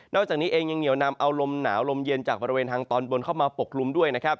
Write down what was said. จากนี้เองยังเหนียวนำเอาลมหนาวลมเย็นจากบริเวณทางตอนบนเข้ามาปกกลุ่มด้วยนะครับ